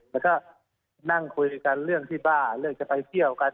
แล้วก็นั่งคุยกันเรื่องที่บ้าเรื่องจะไปเที่ยวกัน